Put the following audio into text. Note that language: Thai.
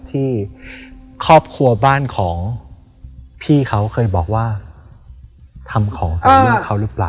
ที่ครอบครัวบ้านของพี่เขาเคยบอกว่าทำของใส่ลูกเขาหรือเปล่า